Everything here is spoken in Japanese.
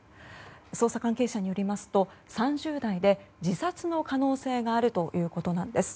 捜査関係者によりますと３０代で自殺の可能性があるということなんです。